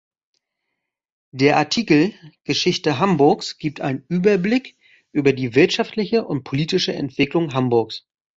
Der Artikel Geschichte Hamburgs gibt einen Überblick über die wirtschaftliche und politische Entwicklung Hamburgs.